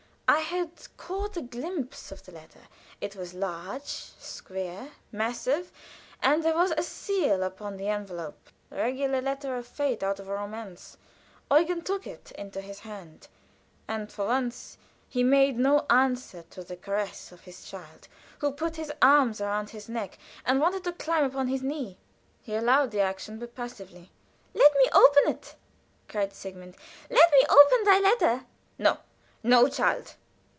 I had caught a glimpse of the letter; it was large, square, massive, and there was a seal upon the envelope a regular letter of fate out of a romance. Eugen took it into his hand, and for once he made no answer to the caress of his child, who put his arms round his neck and wanted to climb upon his knee. He allowed the action, but passively. "Let me open it!" cried Sigmund. "Let me open thy letter!" "No, no, child!"